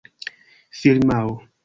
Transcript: firmao